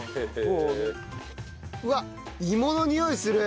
うわっイモのにおいする！